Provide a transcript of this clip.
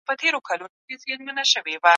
څه توره څه تدبیر وي